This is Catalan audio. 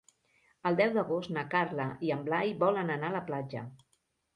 El deu d'agost na Carla i en Blai volen anar a la platja.